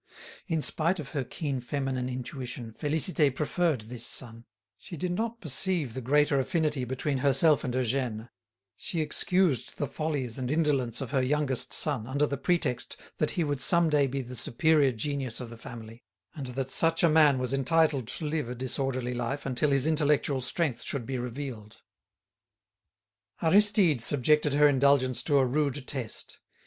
In spite of her keen feminine intuition, Félicité preferred this son; she did not perceive the greater affinity between herself and Eugène; she excused the follies and indolence of her youngest son under the pretext that he would some day be the superior genius of the family, and that such a man was entitled to live a disorderly life until his intellectual strength should be revealed. Aristide subjected her indulgence to a rude test.